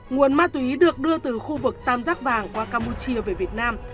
nguồn ma túy được đưa từ khu vực tam giác vàng qua campuchia về việt nam